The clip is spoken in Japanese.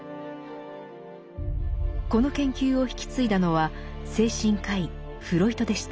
この研究を引き継いだのは精神科医フロイトでした。